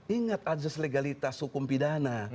ingat asus legalitas hukum pidana